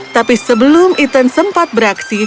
tapi sebelum ethan sempat beraksi